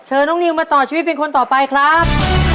น้องนิวมาต่อชีวิตเป็นคนต่อไปครับ